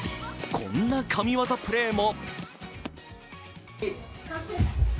こんな神業プレーも。